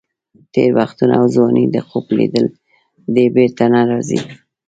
تېر وختونه او ځواني د خوب لیدل دي، بېرته نه راځي.